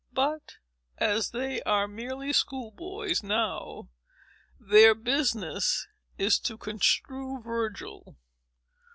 But, as they are merely school boys now, their business is to construe Virgil.